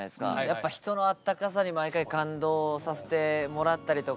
やっぱ人のあったかさに毎回感動させてもらったりとか。